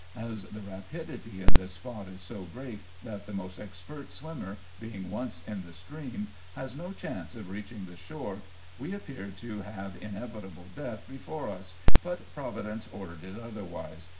As the rapidity in this spot is so great, that the most expert swimmer, being once in the stream, has no chance of reaching the shore, we appeared to have inevitable death before us, but Providence ordered it otherwise.